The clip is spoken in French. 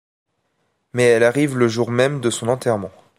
Mais elles arrivent le jour-même de son enterrement.